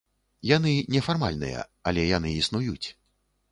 Яны нефармальныя, але яны існуюць.